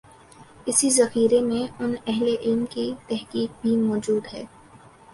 اسی ذخیرے میں ان اہل علم کی تحقیق بھی موجود ہے۔